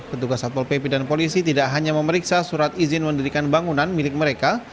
petugas satpol pp dan polisi tidak hanya memeriksa surat izin mendirikan bangunan milik mereka